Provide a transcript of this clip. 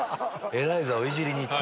エライザをいじりに行く。